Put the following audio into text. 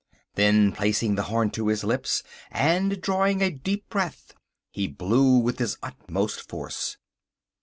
Then placing the horn to his lips and drawing a deep breath, he blew with his utmost force.